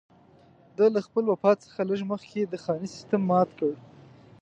ده له خپل وفات څخه لږ مخکې د خاني سېسټم مات کړ.